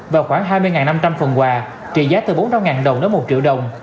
và khoảng hai mươi năm trăm linh phần quà trị giá từ bốn trăm linh đồng đến một triệu đồng